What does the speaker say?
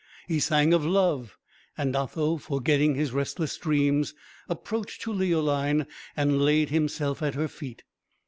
He sang of love, and Otho, forgetting his restless dreams, approached to Leoline, and laid himself at her feet.